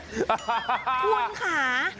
หุ้นขา